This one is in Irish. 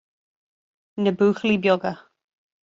Na buachaillí beaga